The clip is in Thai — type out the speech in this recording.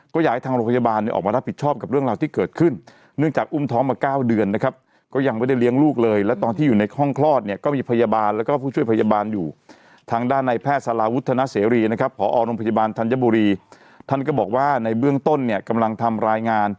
ก็อยากให้ทางโรงพยาบาลเนี่ยออกมารับผิดชอบกับเรื่องราวที่เกิดขึ้นเนื่องจากอุ้มท้องมา๙เดือนนะครับก็ยังไม่ได้เลี้ยงลูกเลยแล้วตอนที่อยู่ในห้องคลอดเนี่ยก็มีพยาบาลแล้วก็ผู้ช่วยพยาบาลอยู่ทางด้านในแพทย์สารวุฒนาเสรีนะครับผอโรงพยาบาลธัญบุรีท่านก็บอกว่าในเบื้องต้นเนี่ยกำลังทำรายงาน